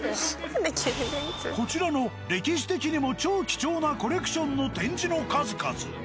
こちらの歴史的にも超貴重なコレクションの展示の数々。